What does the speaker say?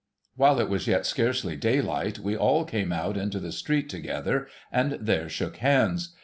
While it was yet scarcely daylight, we all came out into the street together, and there shook hands.